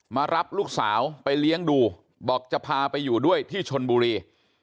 มารับลูกสาวไปเลี้ยงดูบอกจะพาไปอยู่ด้วยที่ชนบุรี